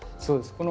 そうです。